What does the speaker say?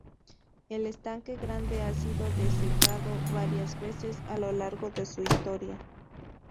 El Estanque Grande ha sido desecado varias veces a lo largo de su historia.